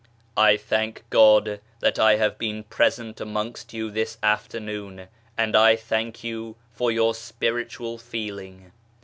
I thank God that I have been present amongst you this afternoon, and I thank you for your spiritual feeling.